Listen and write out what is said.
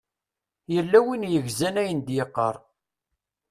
Yella win yegzan ayen d-yeqqar.